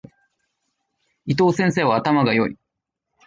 伊藤先生は頭が良い。